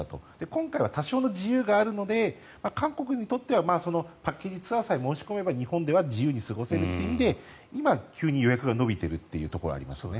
今回は多少の自由があるので韓国にとってはパッケージツアーさえ申し込めば日本では自由に過ごせるという意味で今、急に予約が伸びているところがあります。